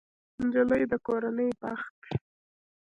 نجلۍ د کورنۍ برکت ده.